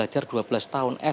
masa mungkin akan benar